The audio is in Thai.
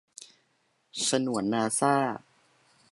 ฉนวนนาซ่า